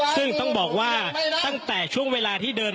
ซึ่งต้องบอกว่าตั้งแต่ช่วงเวลาที่เดิน